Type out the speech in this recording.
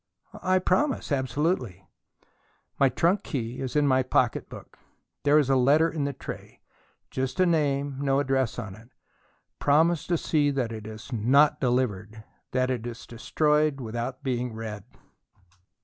"I promise, absolutely." "My trunk key is in my pocket book. There is a letter in the tray just a name, no address on it. Promise to see that it is not delivered; that it is destroyed without being read."